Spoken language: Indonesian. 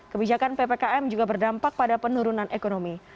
kebijakan ppkm juga berdampak pada penurunan ekonomi